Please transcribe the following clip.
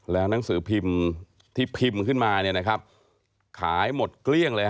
แล้วหนังสือพิมพ์ที่พิมพ์ขึ้นมาเนี่ยนะครับขายหมดเกลี้ยงเลยฮ